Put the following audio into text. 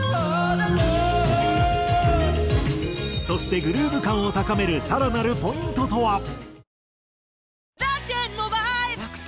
そしてグルーヴ感を高める更なるポイントとは？